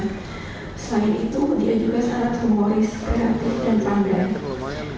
selain itu dia juga sangat humoris kreatif dan pandai